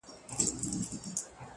ته مي لیدې چي دي د پرخي مرغلیني دانې -